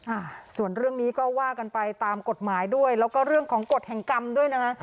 อ่าส่วนเรื่องนี้ก็ว่ากันไปตามกฎหมายด้วยแล้วก็เรื่องของกฎแห่งกรรมด้วยนะฮะ